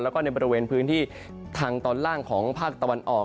แล้วก็ในบริเวณพื้นที่ทางตอนล่างของภาคตะวันออก